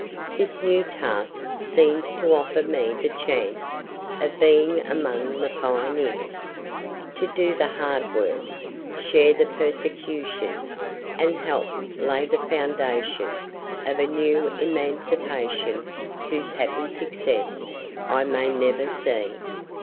This new task seems to offer me the chance of being among the pioneers, to do the hard work, share the persecution, and help lay the foundation of a new emancipation whose happy success I may never see.